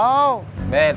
gak apa nada' nafi